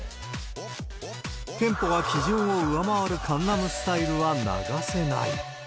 テンポが基準を上回るカンナムスタイルは流せない。